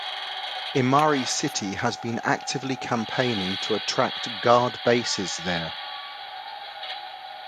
Imari City had been actively campaigning to attract guard bases there.